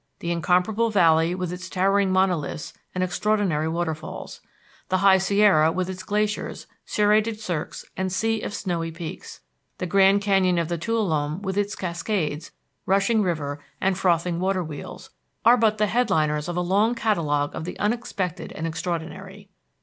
The incomparable valley with its towering monoliths and extraordinary waterfalls, the High Sierra with its glaciers, serrated cirques and sea of snowy peaks, the Grand Canyon of the Tuolumne with its cascades, rushing river and frothing Waterwheels, are but the headliners of a long catalogue of the unexpected and extraordinary.